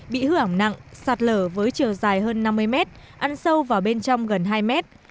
bị hư ảm nặng sạt lở với chiều dài hơn năm mươi mét ăn sâu vào bên trong gần hai mét